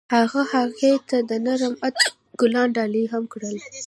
هغه هغې ته د نرم عطر ګلان ډالۍ هم کړل.